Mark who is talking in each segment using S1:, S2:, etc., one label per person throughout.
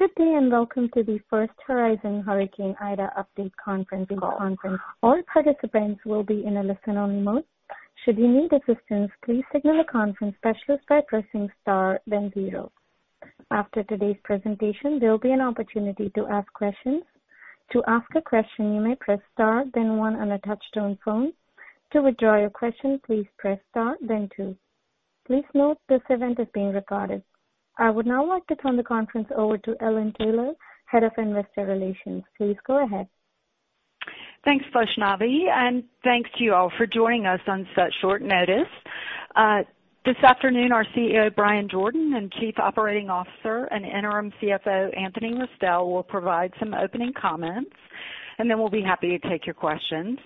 S1: Good day, and welcome to the First Horizon Hurricane Ida update conference call. All participants will be in a listen-only mode. Should you need assistance, please signal a conference specialist by pressing star then zero. After today's presentation, there will be an opportunity to ask questions. To ask a question, you may press star then one on a touch-tone phone. To withdraw your question, please press star then two. Please note this event is being recorded. I would now like to turn the conference over to Ellen Taylor, Head of Investor Relations. Please go ahead.
S2: Thanks, Vaishnavi, and thanks to you all for joining us on such short notice. This afternoon, our CEO, Bryan Jordan, and Chief Operating Officer and Interim CFO, Anthony Restel, will provide some opening comments, and then we'll be happy to take your questions.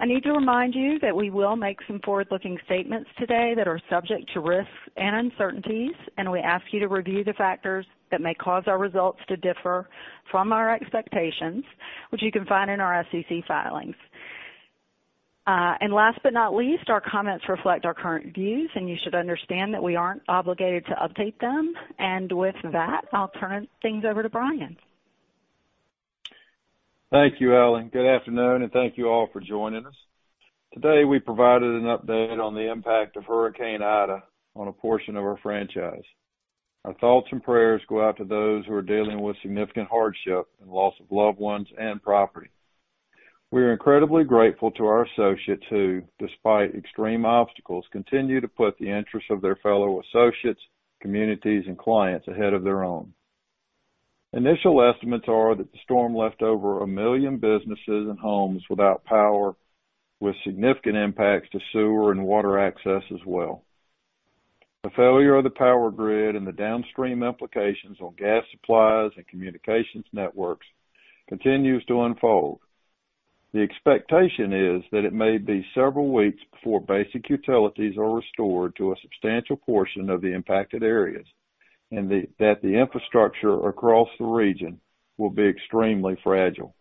S2: I need to remind you that we will make some forward-looking statements today that are subject to risks and uncertainties, and we ask you to review the factors that may cause our results to differ from our expectations, which you can find in our SEC filings. Last but not least, our comments reflect our current views, and you should understand that we aren't obligated to update them. With that, I'll turn things over to Bryan.
S3: Thank you, Ellen. Good afternoon, and thank you all for joining us. Today, we provided an update on the impact of Hurricane Ida on a portion of our franchise. Our thoughts and prayers go out to those who are dealing with significant hardship and loss of loved ones and property. We are incredibly grateful to our associates who, despite extreme obstacles, continue to put the interests of their fellow associates, communities, and clients ahead of their own. Initial estimates are that the storm left over 1 million businesses and homes without power, with significant impacts to sewer and water access as well. The failure of the power grid and the downstream implications on gas supplies and communications networks continues to unfold. The expectation is that it may be several weeks before basic utilities are restored to a substantial portion of the impacted areas, and that the infrastructure across the region will be extremely fragile.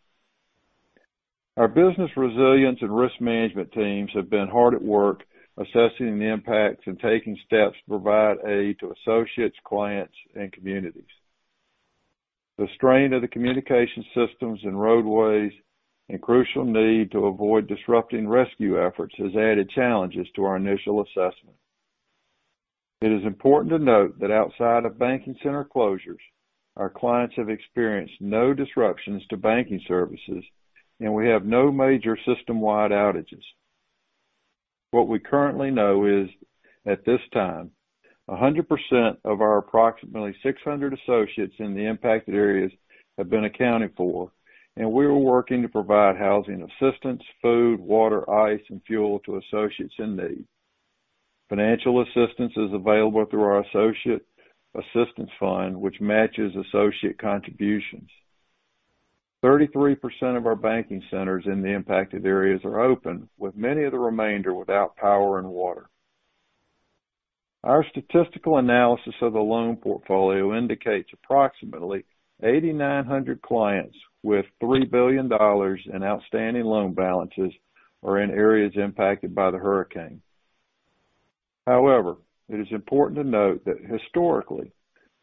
S3: Our business resilience and risk management teams have been hard at work assessing the impacts and taking steps to provide aid to associates, clients, and communities. The strain of the communication systems and roadways, and crucial need to avoid disrupting rescue efforts has added challenges to our initial assessment. It is important to note that outside of banking center closures, our clients have experienced no disruptions to banking services, and we have no major system-wide outages. What we currently know is, at this time, 100% of our approximately 600 associates in the impacted areas have been accounted for, and we are working to provide housing assistance, food, water, ice, and fuel to associates in need. Financial assistance is available through our associate assistance fund, which matches associate contributions. 33% of our banking centers in the impacted areas are open, with many of the remainder without power and water. Our statistical analysis of the loan portfolio indicates approximately 8,900 clients with $3 billion in outstanding loan balances are in areas impacted by Hurricane Ida. However, it is important to note that historically,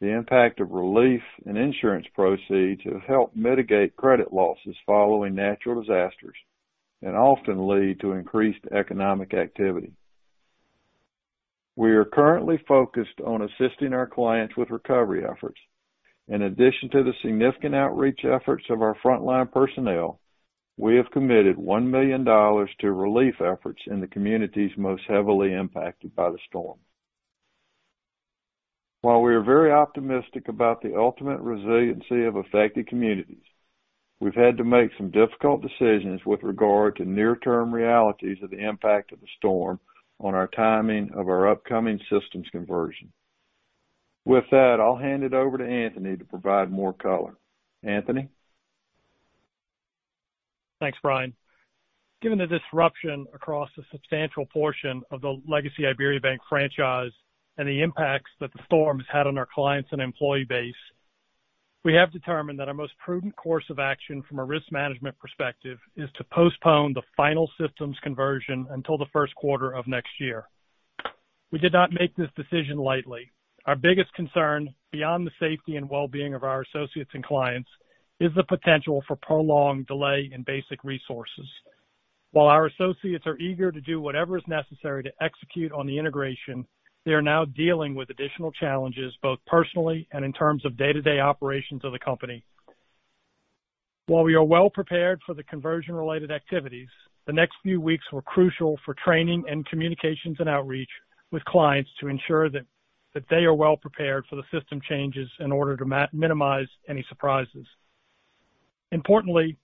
S3: the impact of relief and insurance proceeds have helped mitigate credit losses following natural disasters and often lead to increased economic activity. We are currently focused on assisting our clients with recovery efforts. In addition to the significant outreach efforts of our frontline personnel, we have committed $1 million to relief efforts in the communities most heavily impacted by the storm. While we are very optimistic about the ultimate resiliency of affected communities, we've had to make some difficult decisions with regard to near-term realities of the impact of the storm on our timing of our upcoming systems conversion. With that, I'll hand it over to Anthony to provide more color. Anthony?
S4: Thanks, Bryan. Given the disruption across a substantial portion of the legacy IBERIABANK franchise and the impacts that the storm has had on our clients and employee base, we have determined that our most prudent course of action from a risk management perspective is to postpone the final systems conversion until the first quarter of next year. We did not make this decision lightly. Our biggest concern, beyond the safety and well-being of our associates and clients, is the potential for prolonged delay in basic resources. While our associates are eager to do whatever is necessary to execute on the integration, they are now dealing with additional challenges, both personally and in terms of day-to-day operations of the company. While we are well prepared for the conversion-related activities, the next few weeks were crucial for training and communications and outreach with clients to ensure that they are well prepared for the system changes in order to minimize any surprises. Importantly,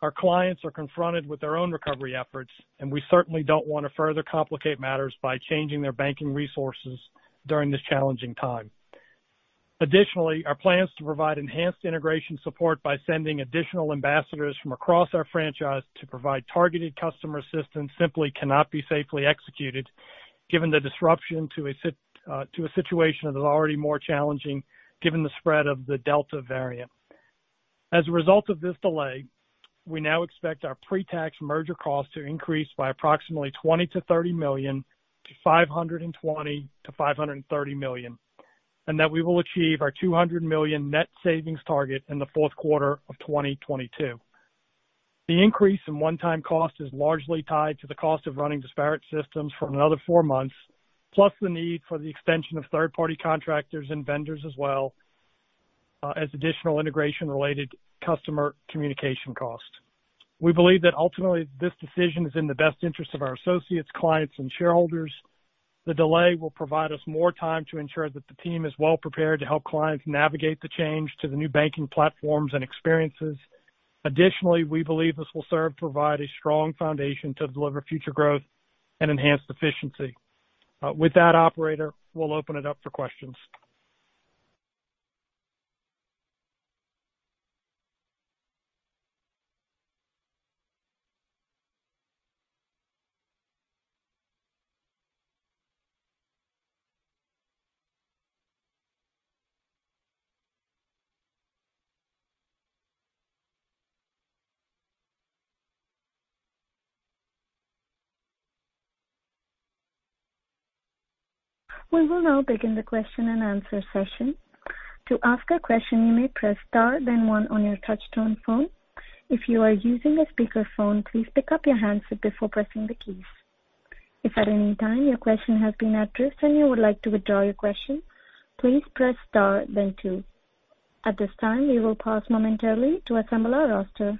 S4: our clients are confronted with their own recovery efforts, and we certainly don't want to further complicate matters by changing their banking resources during this challenging time. Additionally, our plans to provide enhanced integration support by sending additional ambassadors from across our franchise to provide targeted customer assistance simply cannot be safely executed given the disruption to a situation that is already more challenging given the spread of the Delta variant. As a result of this delay, we now expect our pre-tax merger cost to increase by approximately $20 million-$30 million to $520 million-$530 million, and that we will achieve our $200 million net savings target in the fourth quarter of 2022. The increase in one-time cost is largely tied to the cost of running disparate systems for another four months, plus the need for the extension of third-party contractors and vendors as well, as additional integration-related customer communication costs. We believe that ultimately this decision is in the best interest of our associates, clients, and shareholders. The delay will provide us more time to ensure that the team is well prepared to help clients navigate the change to the new banking platforms and experiences. Additionally, we believe this will serve to provide a strong foundation to deliver future growth and enhance efficiency. With that, operator, we'll open it up for questions.
S1: We will now begin the question-and-answer session. At this time, we will pause momentarily to assemble our roster.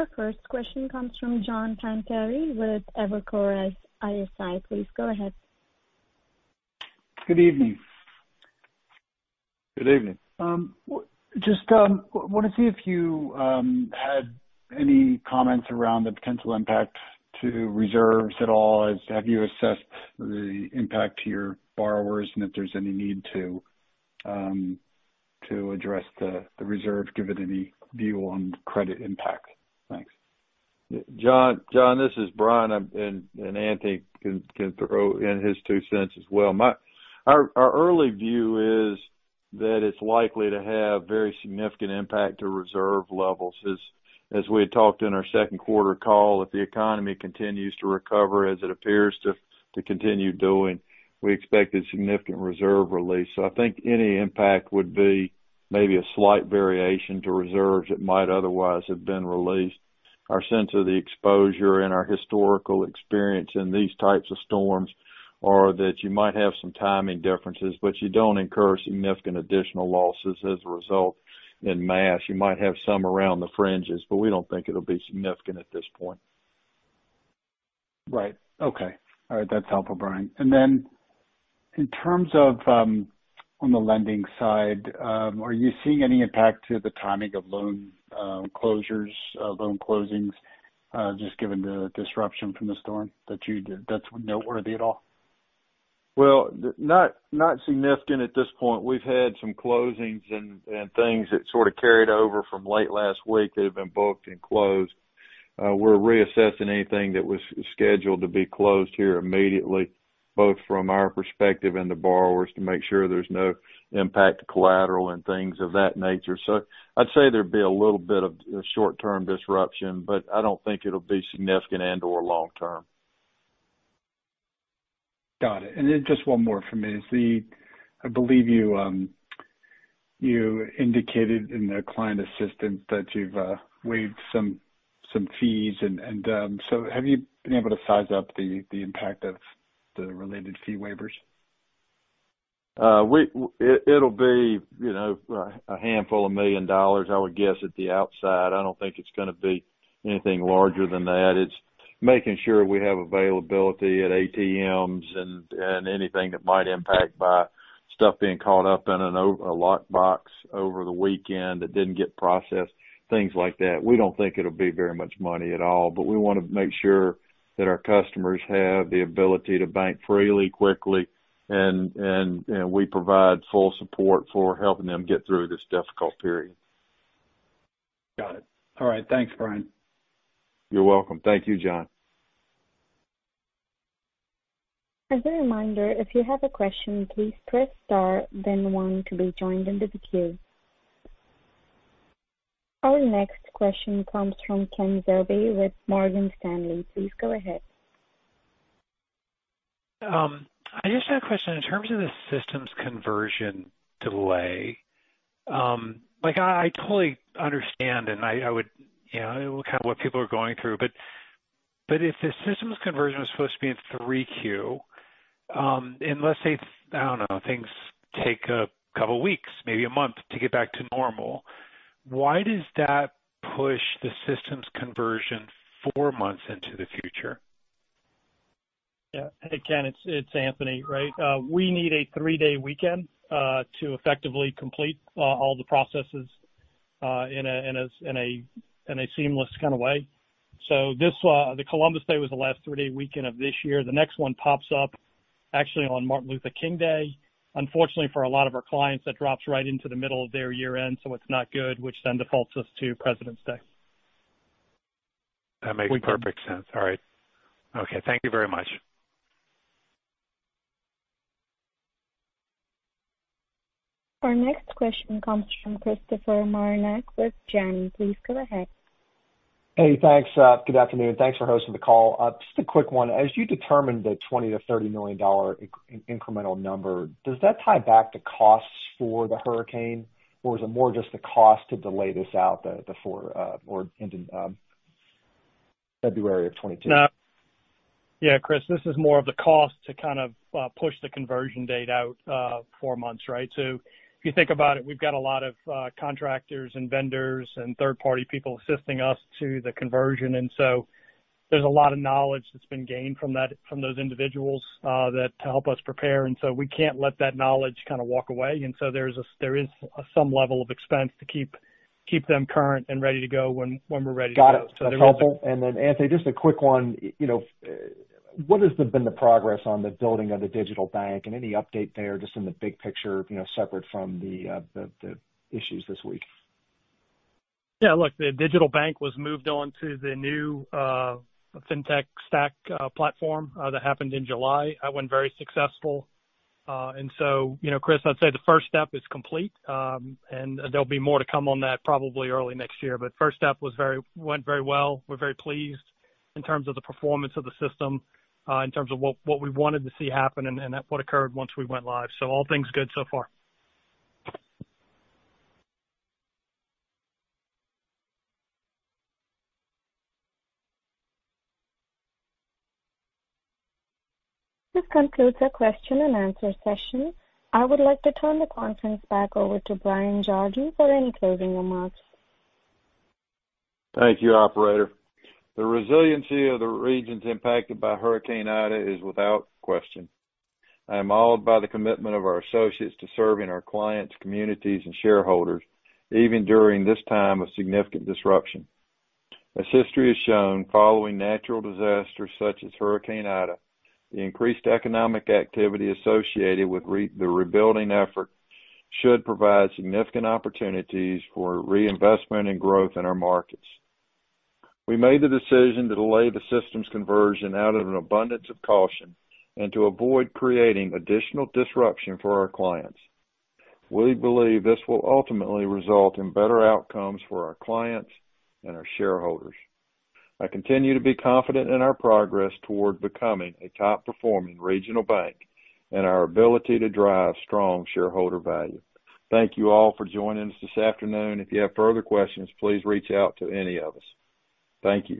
S1: Our first question comes from John Pancari with Evercore ISI. Please go ahead.
S5: Good evening.
S3: Good evening.
S5: Just wanted to see if you had any comments around the potential impact to reserves at all. Have you assessed the impact to your borrowers and if there's any need to address the reserve, given any view on credit impact? Thanks.
S3: John, this is Bryan, and Anthony can throw in his $0.02 as well. Our early view is that it's likely to have very significant impact to reserve levels. As we had talked in our second quarter call, if the economy continues to recover as it appears to continue doing, we expect a significant reserve release. I think any impact would be maybe a slight variation to reserves that might otherwise have been released. Our sense of the exposure and our historical experience in these types of storms are that you might have some timing differences, but you don't incur significant additional losses as a result en masse. You might have some around the fringes, but we don't think it'll be significant at this point.
S5: Right. Okay. All right. That's helpful, Bryan. In terms of on the lending side, are you seeing any impact to the timing of loan closures, loan closings, just given the disruption from the storm that's noteworthy at all?
S3: Not significant at this point. We've had some closings and things that sort of carried over from late last week that have been booked and closed. We're reassessing anything that was scheduled to be closed here immediately, both from our perspective and the borrowers, to make sure there's no impact to collateral and things of that nature. I'd say there'd be a little bit of short-term disruption, but I don't think it'll be significant and/or long term.
S5: Got it. Just one more from me. I believe you indicated in the client assistant that you've waived some fees. Have you been able to size up the impact of the related fee waivers?
S3: It'll be a handful of million dollars, I would guess, at the outside. I don't think it's going to be anything larger than that. It's making sure we have availability at ATMs and anything that might impact by stuff being caught up in a lockbox over the weekend that didn't get processed, things like that. We don't think it'll be very much money at all. We want to make sure that our customers have the ability to bank freely, quickly, and we provide full support for helping them get through this difficult period.
S5: Got it. All right. Thanks, Bryan.
S3: You're welcome. Thank you, John.
S1: As a reminder, if you have a question, please press star then one to be joined into the queue. Our next question comes from Ken Zerbe with Morgan Stanley. Please go ahead.
S6: I just had a question. In terms of the systems conversion delay, I totally understand and what people are going through. If the systems conversion was supposed to be in 3Q, and let's say, I don't know, things take two weeks, maybe one month to get back to normal, why does that push the systems conversion 4 months into the future?
S4: Yeah. Hey, Ken, it's Anthony. We need a three-day weekend to effectively complete all the processes in a seamless kind of way. The Columbus Day was the last three-day weekend of this year. The next one pops up actually on Martin Luther King, Jr. Day. Unfortunately, for a lot of our clients, that drops right into the middle of their year-end, so it's not good, which then defaults us to Presidents' Day.
S6: That makes perfect sense. All right. Okay, thank you very much.
S1: Our next question comes from Christopher Marinac with Janney. Please go ahead.
S7: Hey, thanks. Good afternoon. Thanks for hosting the call. Just a quick one. As you determined the $20 million-$30 million incremental number, does that tie back to costs for the hurricane, or is it more just the cost to delay this out the four or into February of 2022?
S4: No. Yeah, Chris, this is more of the cost to kind of push the conversion date out four months, right? If you think about it, we've got a lot of contractors and vendors and third-party people assisting us to the conversion. There's a lot of knowledge that's been gained from those individuals to help us prepare. We can't let that knowledge kind of walk away. There is some level of expense to keep them current and ready to go when we're ready.
S7: Got it. That's helpful. Anthony, just a quick one. What has been the progress on the building of the digital bank and any update there, just in the big picture, separate from the issues this week?
S4: Yeah, look, the digital bank was moved on to the new Fintech stack platform. That happened in July. That went very successful. Chris, I'd say the first step is complete. There'll be more to come on that probably early next year. First step went very well. We're very pleased in terms of the performance of the system, in terms of what we wanted to see happen and what occurred once we went live. All things good so far.
S1: This concludes our question-and-answer session. I would like to turn the conference back over to Bryan Jordan for any closing remarks.
S3: Thank you, operator. The resiliency of the regions impacted by Hurricane Ida is without question. I am awed by the commitment of our associates to serving our clients, communities, and shareholders, even during this time of significant disruption. As history has shown, following natural disasters such as Hurricane Ida, the increased economic activity associated with the rebuilding effort should provide significant opportunities for reinvestment and growth in our markets. We made the decision to delay the systems conversion out of an abundance of caution and to avoid creating additional disruption for our clients. We believe this will ultimately result in better outcomes for our clients and our shareholders. I continue to be confident in our progress toward becoming a top-performing regional bank and our ability to drive strong shareholder value. Thank you all for joining us this afternoon. If you have further questions, please reach out to any of us. Thank you.